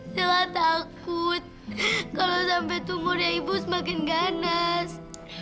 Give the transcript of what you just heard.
salah takut kalau sampai umurnya ibu semakin ganas